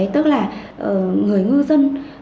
tức là người ngư dân